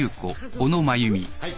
はい。